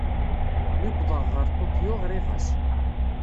Mi uwḍeɣ ɣer Tokyo, ɣriɣ-as.